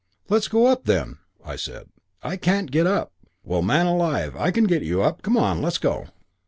"'Let's go up then,' I said. "'I can't get up.' "'Well, man alive, I can get you up. Come on. Let's go.'